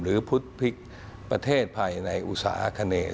หรือพุทธพลิกประเทศภายในอุตสาหกะเนย